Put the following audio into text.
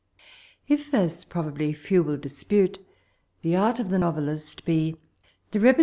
If, as probably few will dispute, the art of the novelist be the repre